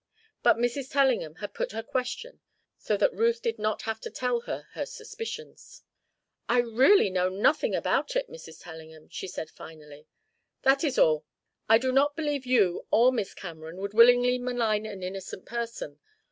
But Mrs. Tellingham had put her question so that Ruth did not have to tell her suspicions. "I really know nothing about it, Mrs. Tellingham," she said, finally. "That is all. I do not believe you or Miss Cameron would willingly malign an innocent person.